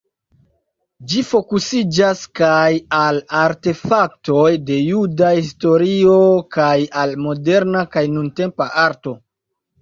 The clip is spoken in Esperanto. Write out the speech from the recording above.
Ĝi fokusiĝas kaj al artefaktoj de juda historio kaj al moderna kaj nuntempa arto.